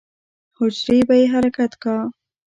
حجرې به يې حرکت کا.